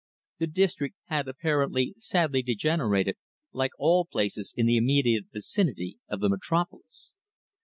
The district had apparently sadly degenerated, like all places in the immediate vicinity of the Metropolis.